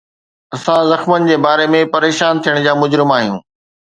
اسان زخمن جي باري ۾ پريشان ٿيڻ جا مجرم آهيون